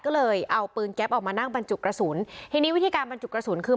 ก็เลยเอาปืนแก๊ปออกมานั่งบรรจุกระสุนทีนี้วิธีการบรรจุกระสุนคือ